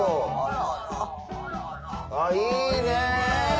あいいね。